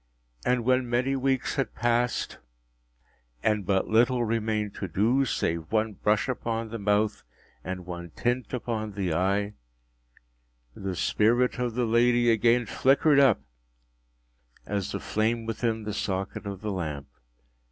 And when many weeks had passed, and but little remained to do, save one brush upon the mouth and one tint upon the eye, the spirit of the lady again flickered up as the flame within the socket of the lamp.